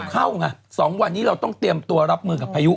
เข้าไง๒วันนี้เราต้องเตรียมตัวรับมือกับพายุ